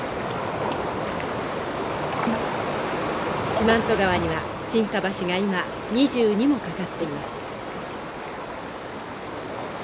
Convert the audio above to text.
四万十川には沈下橋が今２２も架かっています。